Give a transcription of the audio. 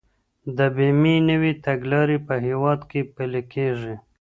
د بيمې نوي تګلارې په هيواد کي پلي کيږي.